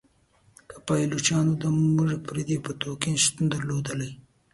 که پایلوچانو د موثري پدیدې په توګه شتون درلودلای.